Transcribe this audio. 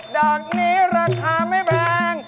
ดอกนี้ราคาไม่แพง